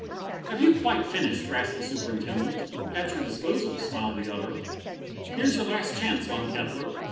"Have you quite finished?" rasped the Superintendent. "At your disposal," smiled the other. "Here's your last chance, Von Kettler.